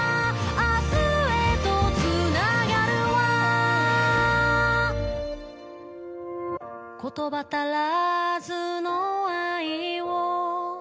「明日へと繋がる輪」「言葉足らずの愛を」